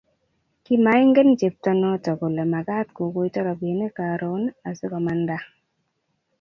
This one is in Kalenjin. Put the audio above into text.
kimaingen cheptonoto kole magaat kogoito robinik koron asigomandaa